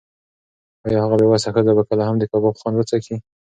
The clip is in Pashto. ایا هغه بې وسه ښځه به کله هم د کباب خوند وڅکي؟